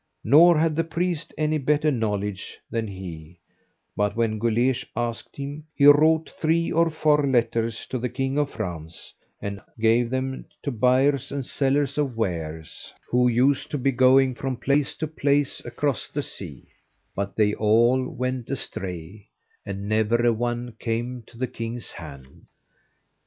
Nor had the priest any better knowledge than he; but when Guleesh asked him, he wrote three or four letters to the king of France, and gave them to buyers and sellers of wares, who used to be going from place to place across the sea; but they all went astray, and never a one came to the king's hand.